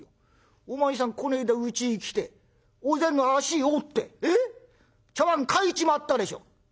お前さんこないだうちへ来てお膳の脚折って茶碗欠いちまったでしょ」。